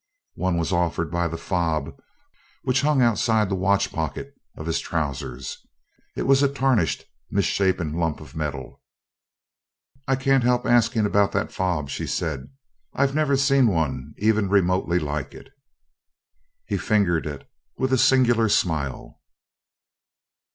One was offered by the fob which hung outside the watchpocket of his trousers. It was a tarnished, misshapen lump of metal. "I can't help asking about that fob," she said. "I've never seen one even remotely like it." He fingered it with a singular smile.